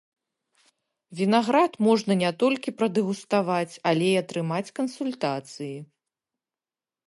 Вінаград можна не толькі прадэгуставаць, але і атрымаць кансультацыі.